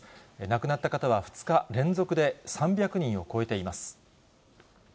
亡くなった方は２日連続で３００人を超えています。